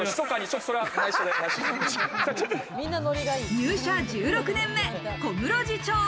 入社１６年目、小室次長。